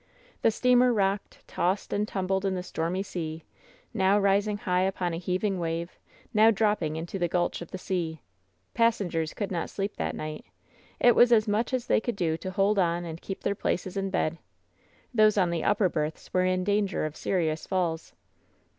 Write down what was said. The steamer rocked, tossed and tumbled in the stormy sea; now rising high upon a heaving wave, now dropping into the gulch of the sea. Passengers could not sleep that night. It was as much as they could do to hold on and keep their places in bed. Those on the upper berths were in danger of serious falls.